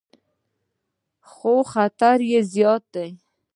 خو خطر یې زیات دی.